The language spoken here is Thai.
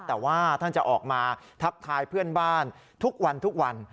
แต่ว่าท่านจะออกมาทักทายเพื่อนบ้านทุกวันทุกวัน